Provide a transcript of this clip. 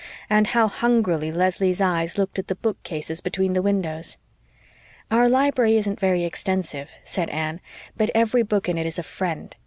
And how hungrily Leslie's eyes looked at the bookcases between the windows! "Our library isn't very extensive," said Anne, "but every book in it is a FRIEND.